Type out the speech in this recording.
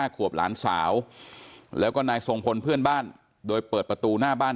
ขวบหลานสาวแล้วก็นายทรงพลเพื่อนบ้านโดยเปิดประตูหน้าบ้าน